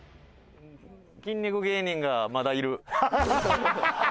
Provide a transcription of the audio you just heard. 筋肉芸人がまだいる。